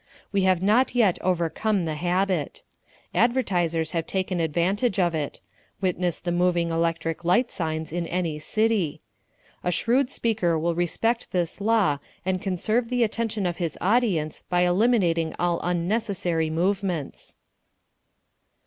We have not yet overcome the habit. Advertisers have taken advantage of it witness the moving electric light signs in any city. A shrewd speaker will respect this law and conserve the attention of his audience by eliminating all unnecessary movements.